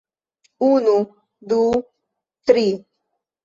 Unu... du... tri...